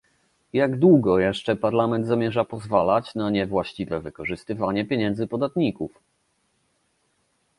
Jak długo jeszcze Parlament zamierza pozwalać na niewłaściwe wykorzystywanie pieniędzy podatników?